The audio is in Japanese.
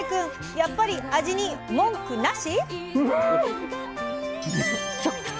やっぱり味に文句「なし」？